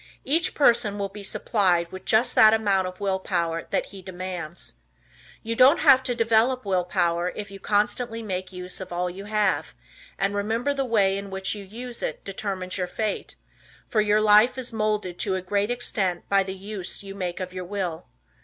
Each person will be supplied with just that amount of will power that he demands. You don't have to develop will power if you constantly make use of all you have, and remember the way in which you use it determines your fate, for your life is moulded to great extent by the use you make of your will.